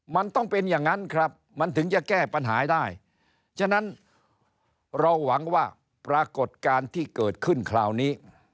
มันต้องเป็นอย่างอันครับมันถึงจะแก้ปัญหาได้